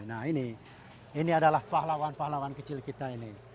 nah ini ini adalah pahlawan pahlawan kecil kita ini